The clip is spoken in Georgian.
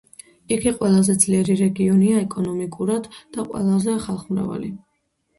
იგი ყველაზე ძლიერი რეგიონია ეკონომიურად და ყველაზე ხალხმრავალი.